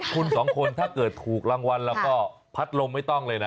คุณสองคนถ้าเกิดถูกรางวัลแล้วก็พัดลมไม่ต้องเลยนะ